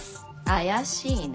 怪しいね。